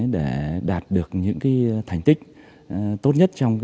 để đạt được những thành tích tốt nhất